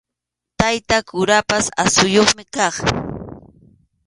Tayta kurapas aqsuyuqmi kaq.